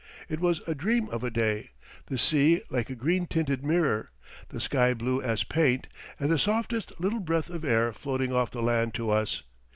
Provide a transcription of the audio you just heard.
It was a dream of a day, the sea like a green tinted mirror, the sky blue as paint, and the softest little breath of air floating off the land to us.